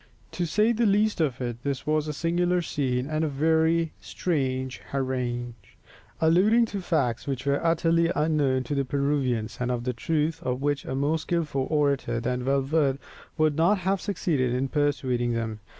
To say the least of it, this was a singular scene and a very strange harangue, alluding to facts which were utterly unknown to the Peruvians, and of the truth of which a more skilful orator than Valverde would not have succeeded in persuading them.